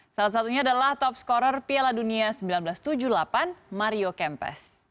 salah satunya adalah top scorer piala dunia seribu sembilan ratus tujuh puluh delapan mario kempes